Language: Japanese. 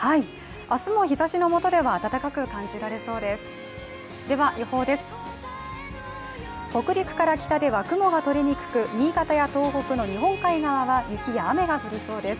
明日も日ざしのもとでは暖かく感じられそうです。